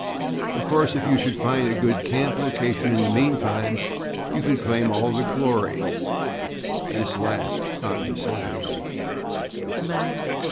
"Of course, if you should find a good camp location in the meantime, you could claim all the glory" this last condescendingly.